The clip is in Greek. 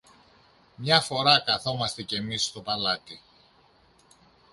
Μια φορά καθόμαστε κι εμείς στο παλάτι.